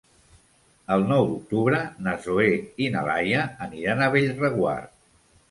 El nou d'octubre na Zoè i na Laia aniran a Bellreguard.